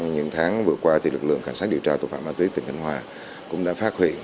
những tháng vừa qua lực lượng cảnh sát điều tra tội phạm ma túy tỉnh khánh hòa cũng đã phát huy